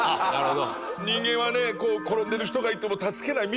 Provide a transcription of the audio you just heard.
人間はね転んでる人がいても助けない。